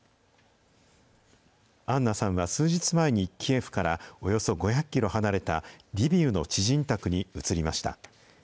アンナさんは数日前に、キエフからおよそ５００キロ離れたリビウの知人宅に移りました。